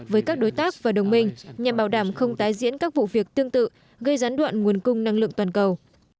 với các đối tác và đồng minh nhằm bảo đảm không tái diễn các vụ việc tương tự gây gián đoạn nguồn cung năng lượng toàn cầu